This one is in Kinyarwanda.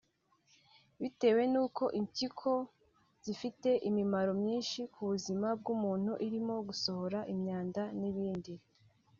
bitewe n’uko impyiko zifite imimaro myinshi ku buzima bw’umuntu irimo gusohora imyanda n’ibindi